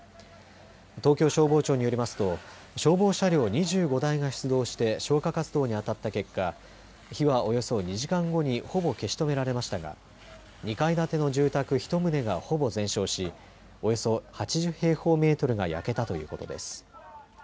東京消防庁によりますと消防車両２５台が出動して消火活動にあたった結果、火はおよそ２時間後にほぼ消し止められましたが２階建ての住宅１棟がほぼ全焼しおよそ８０平方メートルが焼けたということです。